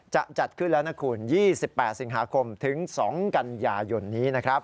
จะจัดขึ้นแล้วนะคุณ๒๘สิงหาคมถึง๒กันยายนนี้นะครับ